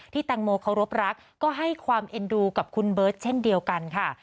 แตงโมเคารพรักก็ให้ความเอ็นดูกับคุณเบิร์ตเช่นเดียวกันค่ะ